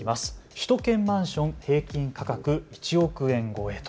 首都圏マンション平均価格１億円超えと。